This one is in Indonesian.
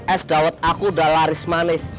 es dawet aku udah laris manis